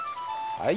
はい。